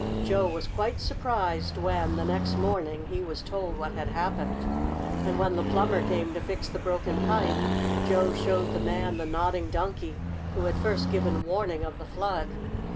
Joe was quite surprised when, the next morning, he was told what had happened. And when the plumber came to fix the broken pipe Joe showed the man the Nodding Donkey who had first given warning of the flood.